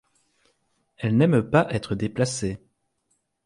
Elle n'aime pas être déplacée.